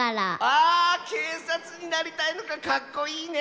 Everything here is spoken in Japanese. ああけいさつになりたいとかかっこいいね！